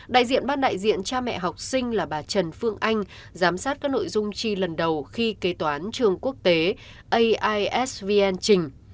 đại diện ban đại diện cha mẹ học sinh là bà trần phương anh giám sát các nội dung chi lần đầu khi kế toán trường quốc tế aisvn trình